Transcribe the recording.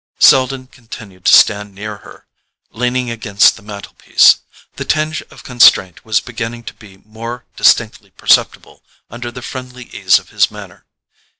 Selden continued to stand near her, leaning against the mantelpiece. The tinge of constraint was beginning to be more distinctly perceptible under the friendly ease of his manner.